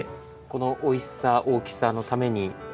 このおいしさ大きさのために欲張らない。